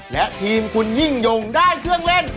และทีมคุณยิ่งยงได้เครื่องเล่น